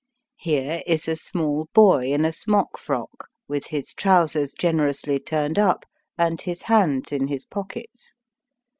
Here is a small boy in a smockfrook with his trousers generously turned up, and his hands in his pockets.